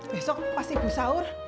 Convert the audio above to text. besok pas ibu sahur